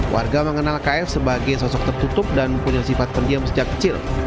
warga mengenal kf sebagai sosok tertutup dan punya sifat pendiam sejak kecil